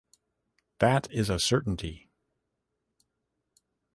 That is a certainty.